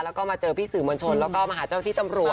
แล้วก็มาเจอพี่สื่อมวลชนแล้วก็มาหาเจ้าที่ตำรวจ